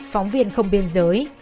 phóng viên không biên giới